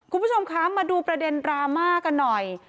คุณผู้ชมคะมาดูประเด็นดราม่ากันหน่อย